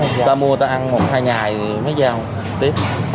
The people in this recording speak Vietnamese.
người ta mua ta ăn một hai ngày mới giao tiếp